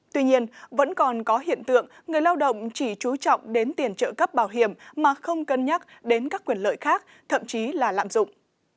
tuy nhiên vẫn còn có hiện tượng người lao động chỉ trú trọng đến tiền trợ cấp bảo hiểm mà không cân nhắc đến các quyền lợi khác thậm chí là lạm dụng